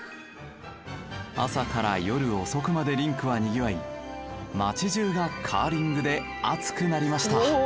朝から夜遅くまでリンクはにぎわい町じゅうがカーリングで熱くなりました。